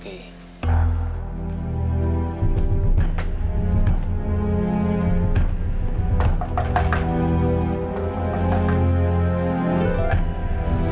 kan aku biar saya ajak